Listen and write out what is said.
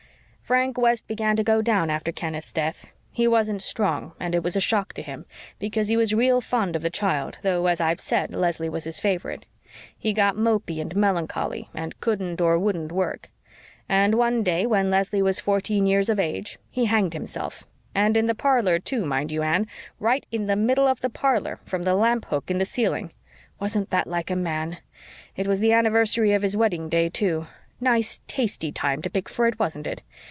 "Frank West began to go down after Kenneth's death. He wasn't strong and it was a shock to him, because he was real fond of the child, though, as I've said, Leslie was his favorite. He got mopy and melancholy, and couldn't or wouldn't work. And one day, when Leslie was fourteen years of age, he hanged himself and in the parlor, too, mind you, Anne, right in the middle of the parlor from the lamp hook in the ceiling. Wasn't that like a man? It was the anniversary of his wedding day, too. Nice, tasty time to pick for it, wasn't it?